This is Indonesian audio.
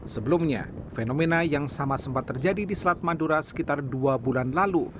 sebelumnya fenomena yang sama sempat terjadi di selat madura sekitar dua bulan lalu